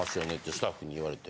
スタッフに言われて。